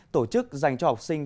tổ chức dành cho học sinh